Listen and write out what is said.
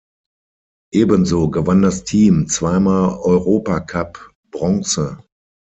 Ebenso gewann das Team zweimal Europacup Bronze.